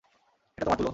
এটা তোমার, তুলো।